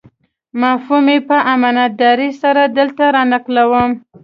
مفهوم یې په امانتدارۍ سره دلته رانقلوم.